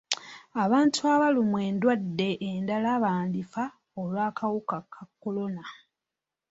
Abantu abalumwa endwadde endala bandifa olw'akawuka ka kolona.